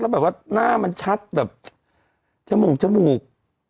แล้วแบบว่าหน้ามันชัดแบบจมูก